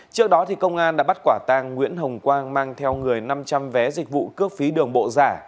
trước đó công an đã bắt quả tang nguyễn hồng quang mang theo người năm trăm linh vé dịch vụ cướp phí đường bộ giả